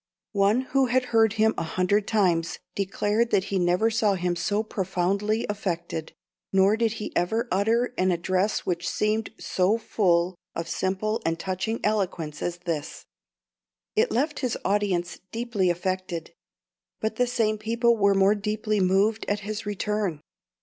One who had heard him a hundred times declared that he never saw him so profoundly affected, nor did he ever utter an address which seemed so full of simple and touching eloquence as this. It left his audience deeply affected; but the same people were more deeply moved at his return.